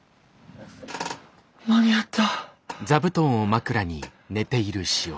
間に合った。